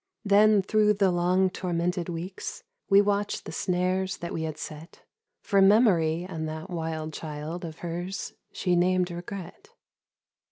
Then through the long tormented weeks We watched the snares that we had set For Memory and that wild child Of her's she named Regret.